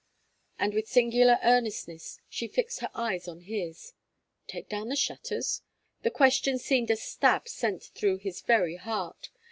And with singular earnestness she fixed her eyes on his. Take down the shutters? The question seemed a stab sent through his very heart.